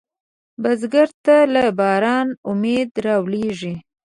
بزګر ته له بارانه امید راولاړېږي